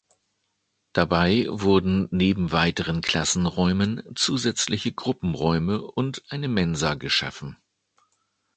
Dabei wurden neben weiteren Klassenräumen zusätzliche Gruppenräume und eine Mensa geschaffen.